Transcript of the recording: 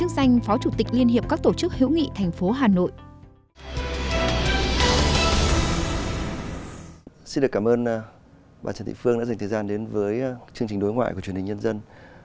xin được cảm ơn bà trần thị phương đã dành thời gian đến với chương trình đối ngoại của truyền hình nhân dân